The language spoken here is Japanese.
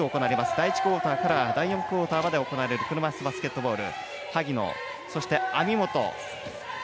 第１クオーターから第４クオーターまで行われる車いすバスケットボール。